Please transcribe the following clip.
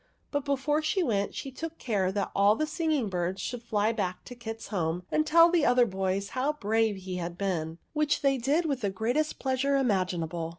But before she went, she took care that all the singing birds should fly back to Kit's home and tell the other boys how brave he had been, which they did with the greatest pleas ure imaginable.